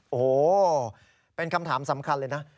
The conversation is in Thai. โอ้โหเป็นคำถามสำคัญเลยนะ